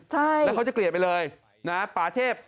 ใช่แล้วเขาจะเกลียดไปเลยนะป่าเทพ